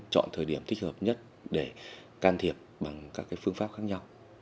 chọn thời điểm thích hợp nhất để can thiệp bằng các phương pháp khác nhau